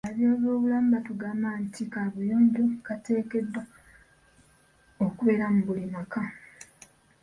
Ab'ebyobulamu batugamba nti kabuyonjo kateekeddwa okubeera mu buli maka.